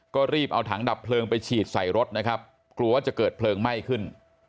ก็รีบเอาถังดับเพลิงไปฉีดใส่รถนะครับกลัวว่าจะเกิดเพลิงไหม้ขึ้น